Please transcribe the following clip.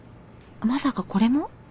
まさかこれも？